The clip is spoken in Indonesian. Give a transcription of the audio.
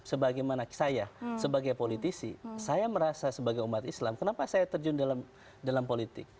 sebagaimana saya sebagai politisi saya merasa sebagai umat islam kenapa saya terjun dalam politik